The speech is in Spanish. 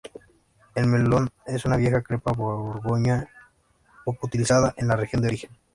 El melon es una vieja cepa borgoñona poco utilizada en la región de origen.